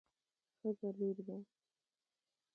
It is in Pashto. ښځه لور ده